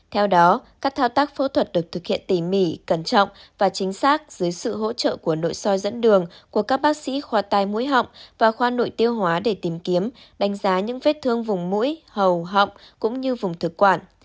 theo đó các thao tác phẫu thuật được thực hiện tỉ mỉ cẩn trọng và chính xác dưới sự hỗ trợ của nội soi dẫn đường của các bác sĩ khoa tai mũi họng và khoa nội tiêu hóa để tìm kiếm đánh giá những vết thương vùng mũi hầu họng cũng như vùng thực quản